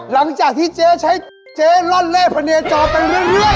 หลังจากที่เจ๊ใช้เจ๊ล่อนเล่พะเนียนจอไปเรื่อย